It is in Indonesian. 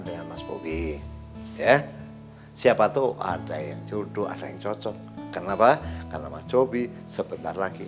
dengan mas bobi ya siapa tuh ada yang jodoh ada yang cocok kenapa karena mas bobi sebentar lagi